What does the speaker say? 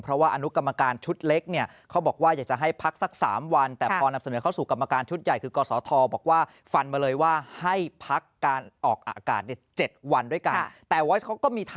เพราะว่าอนุกรรมการชุดเล็กเนี่ย